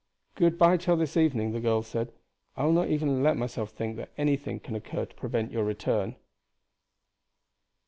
"Good by till this evening!" the girl said. "I will not even let myself think that anything can occur to prevent your return."